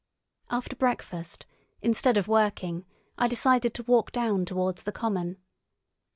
After breakfast, instead of working, I decided to walk down towards the common.